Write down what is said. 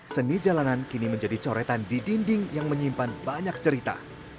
seni jalanan kini menjadi coretan di dinding yang menyimpan banyak cerita